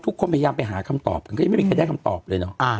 พยายามไปหาคำตอบกันก็ยังไม่มีใครได้คำตอบเลยเนอะ